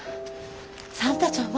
算太ちゃんは？